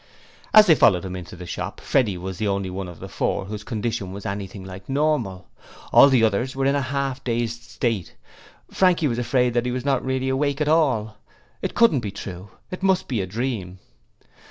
As they followed him into the shop, Freddie was the only one of the four whose condition was anything like normal. All the others were in a half dazed state. Frankie was afraid that he was not really awake at all. It couldn't be true; it must be a dream.